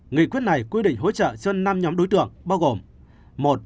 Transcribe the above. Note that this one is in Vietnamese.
nghị quyết này quy định hỗ trợ cho năm nhóm đối tượng bao gồm